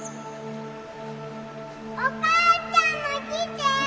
お母ちゃんも来て！